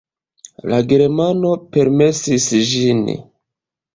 La germano permesis ĝin.